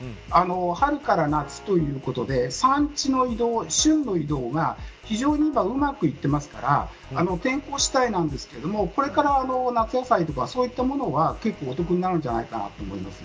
春から夏ということで産地の移動旬の移動が今は非常にうまくいってますから天候次第なんですけどこれから夏野菜とかそういったものが結構、お得になるんじゃないかと思います。